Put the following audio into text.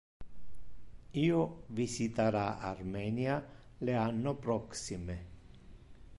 Io visitara Armenia le anno proxime.